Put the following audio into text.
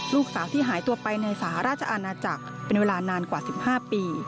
ลูกสาวที่หายตัวไปในสหราชอาณาจักรเป็นเวลานานกว่า๑๕ปี